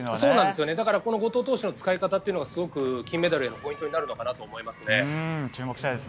だから、この後藤投手の使い方というのがすごく金メダルへのポイントになるかと思います。